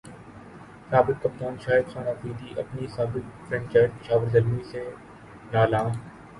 سابق کپتان شاہد خان فریدی اپنی سابق فرنچائز پشاور زلمی سے نالاں